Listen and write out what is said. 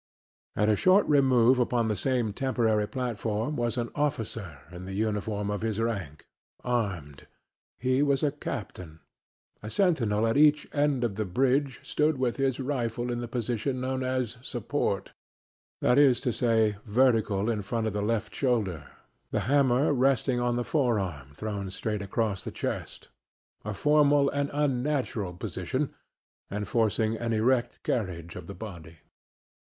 At a short remove upon the same temporary platform was an officer in the uniform of his rank, armed. He was a captain. A sentinel at each end of the bridge stood with his rifle in the position known as "support," that is to say, vertical in front of the left shoulder, the hammer resting on the forearm thrown straight across the chest a formal and unnatural position, enforcing an erect carriage of the body.